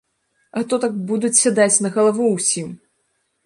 А то, так будуць сядаць на галаву ўсім!